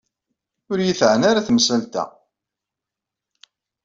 Ur yi-teɛni ara temsalt-a.